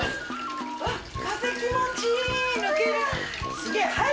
わっ風気持ちいい！